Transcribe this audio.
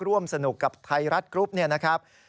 ร่วมสนุกกับไทยรัฐกรุ๊ปเนี่ยนะครับ